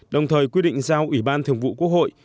đồng thời quy định giao ủy ban thường vụ quốc hội